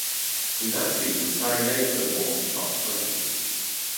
In that season Sarajevo won the cup title.